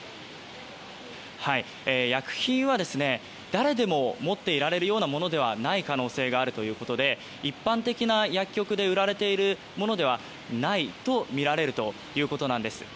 薬品は、誰でも持っていられるようなものではない可能性があるということで一般的な薬局で売られているものではないとみられるということです。